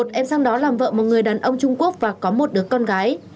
lần thứ hai em cũng vẫn bị bán sang làm vợ một người đàn ông trung quốc và có một đứa con gái